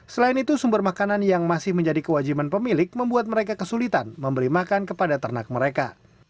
selain itu sumber makanan yang masih menjadi kewajiban pemilik membuat mereka kesulitan memberi makan kepada ternak mereka